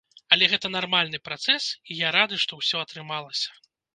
Але гэта нармальны працэс, і я рады, што ўсё атрымалася.